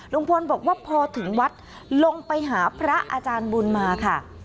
ลุงพลบอกว่าพอถึงวัดลงไปหาพระอาจารย์บุญมาค่ะ